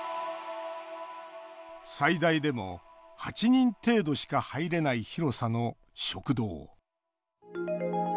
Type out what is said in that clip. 最大でも８人程度しか入れない広さの食堂。